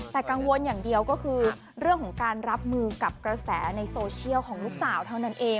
แต่กังวลอย่างเดียวก็คือเรื่องของการรับมือกับกระแสในโซเชียลของลูกสาวเท่านั้นเอง